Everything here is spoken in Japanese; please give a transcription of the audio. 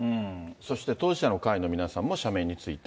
そして当事者の会の皆さんも社名について。